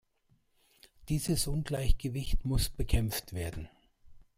Dieses Ungleichgewicht muss bekämpft werden.